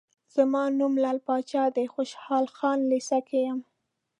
زما نوم لعل پاچا دی، خوشحال خان لېسه کې یم.